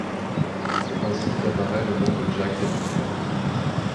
C'est ainsi qu'apparaît le nom de Jack l'Éventreur.